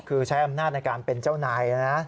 คือใช้อำนาจในการเป็นเจ้านายนะ